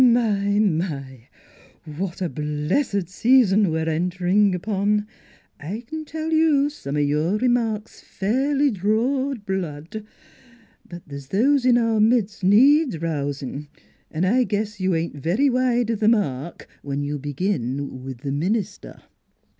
" My, my! what a bl essed season we're enterin' upon! ... I c'n tell you some o' your r'marks fairly drored blood. But the's those in our midst needs rousin', an' I guess you ain't very wide of the mark when you begin with th' minister."